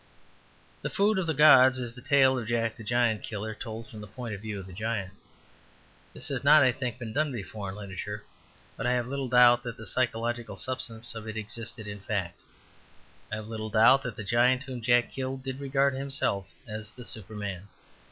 "The Food of the Gods" is the tale of "Jack the Giant Killer" told from the point of view of the giant. This has not, I think, been done before in literature; but I have little doubt that the psychological substance of it existed in fact. I have little doubt that the giant whom Jack killed did regard himself as the Superman.